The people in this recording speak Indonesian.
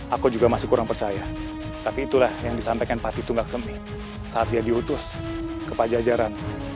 aku juga masih kurang percaya tapi itulah yang disampaikan pati tunggak semi saat dia diutus ke pajajaran